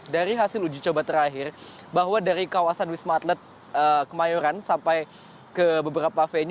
dari hasil uji coba terakhir bahwa dari kawasan wisma atlet ke mayoran